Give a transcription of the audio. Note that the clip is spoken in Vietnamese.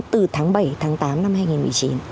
từ tháng bảy tháng tám năm hai nghìn một mươi chín